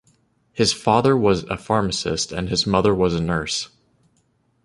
His father was a pharmacist and his mother was a nurse.